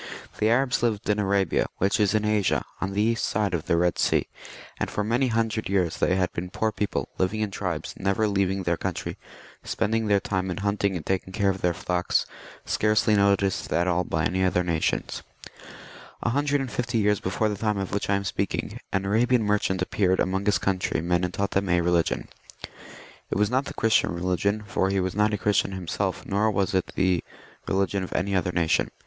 * The Arabs lived in Arabia, which is in Asia, on the east side of the Bed Sea> and for many hundred years they had been poor people, living in tribes, never leaving their coun try, spending their time in hunting and taking care of their flocks, scarcely noticed at all by any other nation A hundred and fifty years before the time of which I am speaking, an Arabian merchant appeared among his countrymen and taught them a religion. It was not the Christian religion, for he was not a Christian himself, nor was it the religion of any other nation.